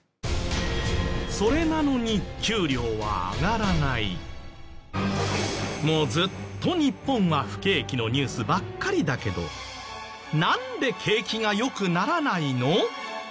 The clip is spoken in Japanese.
それなのにもうずっと日本は不景気のニュースばっかりだけどなんで景気が良くならないの？